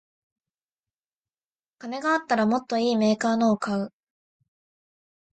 金があったらもっといいメーカーのを買う